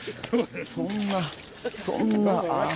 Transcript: そんなそんなあぁ。